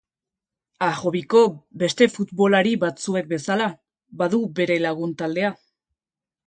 Harrobiko beste futbolari batzuek bezala, badu bere lagun taldea.